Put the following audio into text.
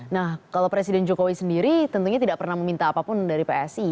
nah kalau presiden jokowi sendiri tentunya tidak pernah meminta apapun dari psi